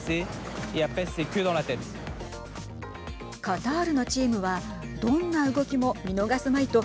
カタールのチームはどんな動きも見逃すまいと